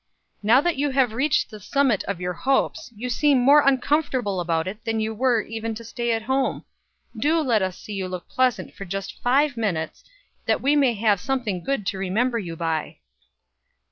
"Now that you have reached the summit of your hopes, you seem more uncomfortable about it than you were even to stay at home. Do let us see you look pleasant for just five minutes, that we may have something good to remember you by."